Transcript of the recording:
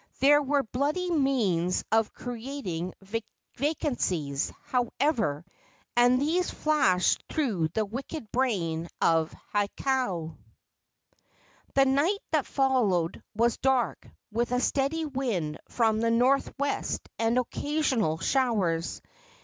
There were bloody means of creating vacancies, however, and these flashed through the wicked brain of Hakau. The night that followed was dark, with a steady wind from the northwest and occasional showers.